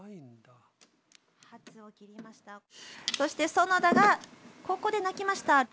そして園田がここで鳴きました。